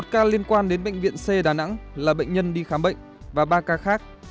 một ca liên quan đến bệnh viện c đà nẵng là bệnh nhân đi khám bệnh và ba ca khác